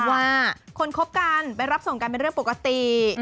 ว่าคนคบกันไปรับส่งกันเป็นเรื่องปกติ